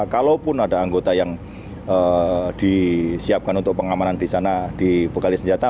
kalaupun ada anggota yang disiapkan untuk pengamanan di sana dibekali senjata